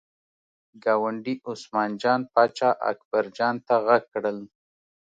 ګاونډي عثمان جان پاچا اکبر جان ته غږ کړل.